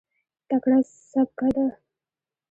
تکړه سبکه ده.